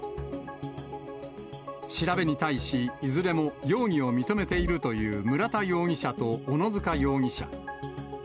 調べに対し、いずれも容疑を認めているという村田容疑者と小野塚容疑者。